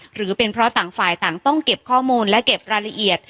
หรือเป็นเพราะต่างฝ่ายต่างต้องเก็บข้อมูลและเก็บรายละเอียด